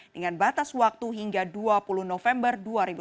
dengan batas waktu hingga dua puluh november dua ribu sembilan belas